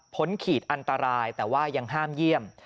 ขีดอันตรายแต่ว่ายังห้ามเยี่ยม